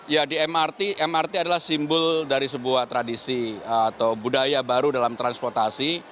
ya di mrt mrt adalah simbol dari sebuah tradisi atau budaya baru dalam transportasi